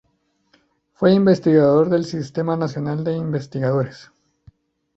Fue investigador del Sistema Nacional de Investigadores.